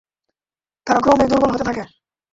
তারা ক্রমেই দুর্বল হতে থাকে।